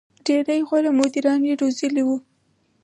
• ډېری غوره مدیران یې روزلي وو.